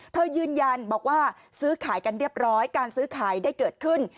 ยืนยันบอกว่าซื้อขายกันเรียบร้อยการซื้อขายได้เกิดขึ้น